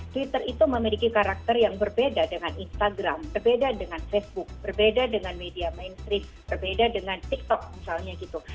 twitter itu memiliki karakter yang berbeda dengan instagram berbeda dengan facebook berbeda dengan media mainstream berbeda dengan tiktok misalnya gitu